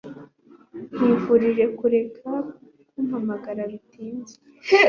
Nkwifurije kureka kumpamagara bitinze.